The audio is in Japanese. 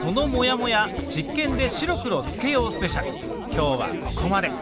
今日はここまで。